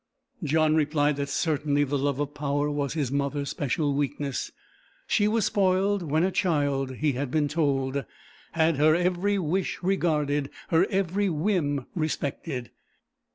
John replied that certainly the love of power was his mother's special weakness. She was spoiled when a child, he had been told; had her every wish regarded, her every whim respected.